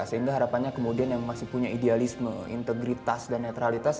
sehingga harapannya kemudian yang masih punya idealisme integritas dan netralitas